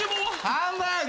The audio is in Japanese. ハンバーグ。